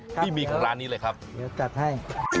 ข้ามใหญ่นี่มีการร้านนี้เลยครับเดี๋ยวจัดให้